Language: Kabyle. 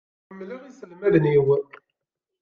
Ḥemmleɣ iselmaden-iw.